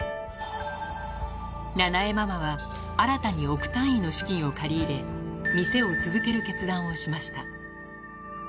ななえママは、新たに億単位の資金を借り入れ、店を続ける決断をしました。